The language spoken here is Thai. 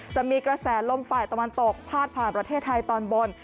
จะมีกระแสลมฝ่ายตะวันตกพาดผ่านประเทศไทยตอนบน